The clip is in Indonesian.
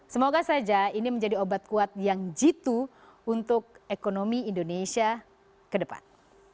semoga saja ini menjadi obat kuat yang jitu untuk ekonomi indonesia ke depan